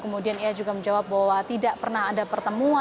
kemudian ia juga menjawab bahwa tidak pernah ada pertemuan